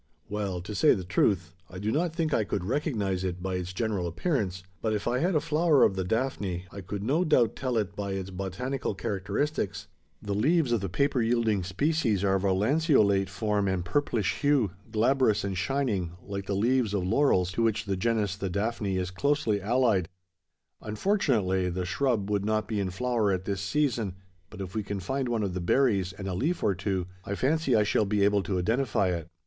"Well, to say the truth, I do not think I could recognise it by its general appearance; but if I had a flower of the daphne, I could no doubt tell it by its botanical characteristics. The leaves of the paper yielding species are of a lanceolate form and purplish hue, glabrous and shining, like the leaves of laurels to which genus the daphne is closely allied. Unfortunately, the shrub would not be in flower at this season; but if we can find one of the berries, and a leaf or two, I fancy I shall be able to identify it.